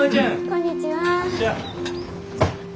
こんにちは。